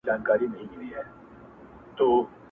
o هم لری، هم ناولی، هم ناوخته راستولی٫